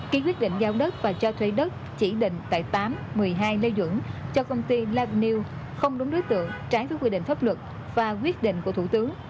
ký quyết định giao đất và cho thuê đất chỉ định tại tám một mươi hai lê duẩn cho công ty la beut không đúng đối tượng trái với quy định pháp luật và quyết định của thủ tướng